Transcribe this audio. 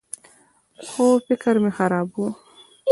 خو فکر مه خرابوه.